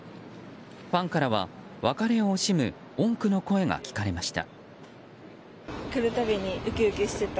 ファンからは別れを惜しむ多くの声が聞かれました。